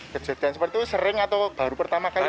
kejadian seperti itu sering atau baru pertama kali